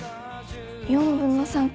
４分の３か。